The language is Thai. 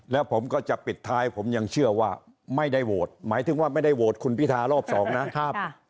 แล้วผมก็จะปิดท้ายผมยังเชื่อว่าไม่ได้โหวตหมายถึงว่าไม่ได้โหวตคุณพิทารอบสองนะครับ